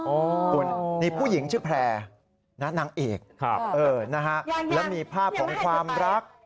คุณนี่ผู้หญิงชื่อแพร่นางเอกนะฮะแล้วมีภาพของความรัก